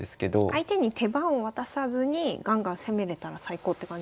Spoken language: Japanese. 相手に手番を渡さずにガンガン攻めれたら最高って感じですか？